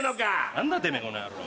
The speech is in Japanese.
何だてめぇこの野郎。